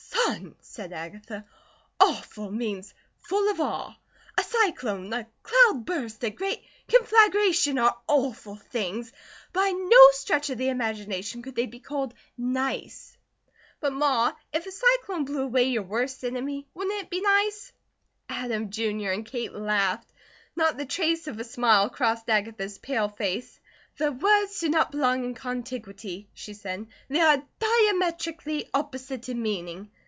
"Son," said Agatha, "'awful,' means full of awe. A cyclone, a cloudburst, a great conflagration are awful things. By no stretch of the imagination could they be called nice." "But, Ma, if a cyclone blew away your worst enemy wouldn't it be nice?" Adam, Jr., and Kate laughed. Not the trace of a smile crossed Agatha's pale face. "The words do not belong in contiguity," she said. "They are diametrically opposite in meaning.